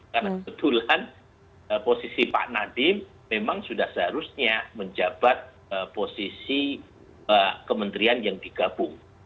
karena kebetulan posisi pak nadiem memang sudah seharusnya menjabat posisi kementerian yang digabung